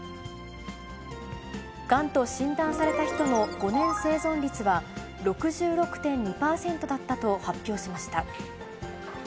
がんと診断された人の５年生存率は、６６．２％だったと発表しました。